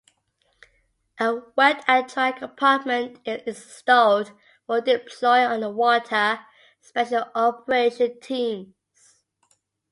A wet and dry compartment is installed for deploying underwater special operations teams.